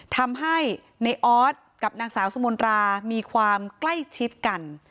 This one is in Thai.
ทำให้ในออสกับนางสาวสมนรามีความใกล้ชิดกัน